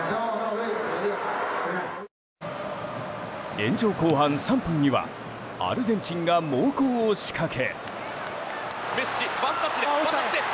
延長後半３分にはアルゼンチンが猛攻を仕掛け。